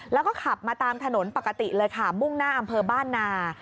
แล้วก็ขับมาตามถนนปกติเลยค่ะมุ่งหน้าอำเภอบ้านนา